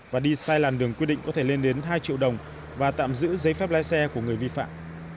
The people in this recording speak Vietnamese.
và đi sai làn đường quy định có thể lên đến hai triệu đồng và tạm giữ giấy phép lái xe của người vi phạm